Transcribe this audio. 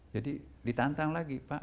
jadi ditantang lagi pak